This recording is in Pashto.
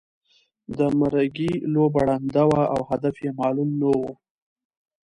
د مرګي لوبه ړنده وه او هدف یې معلوم نه وو.